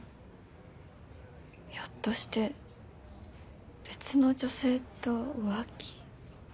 ひょっとして別の女性と浮気？